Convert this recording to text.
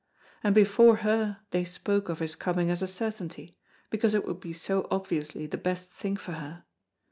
and before her they spoke of his coming as a certainty, because it would be so obviously the best thing for her.